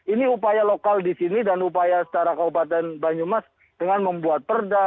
ini upaya lokal di sini dan upaya secara kabupaten banyumas dengan membuat perda